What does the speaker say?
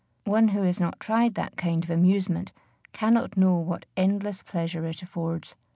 One who has not tried that kind of amusement cannot know what endless pleasure it affords.